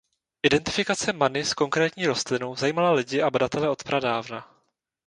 Identifikace many s konkrétní rostlinou zajímala lidi a badatele od pradávna.